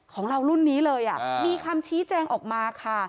ของเรารุ่นนี้เลยมีคำชี้แจงออกมาค่ะ